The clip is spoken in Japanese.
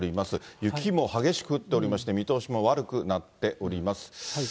雪も激しく降っておりまして、見通しも悪くなっております。